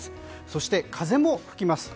そして、風も吹きます。